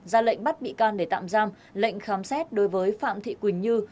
ra lệnh bắt bị can để tạm giam lệnh khám xét đối với phạm thị quỳnh như